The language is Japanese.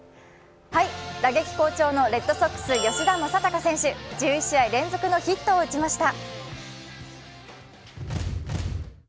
打撃好調のレッドソックス・吉田正尚選手、１１試合連続のヒットを打ちました。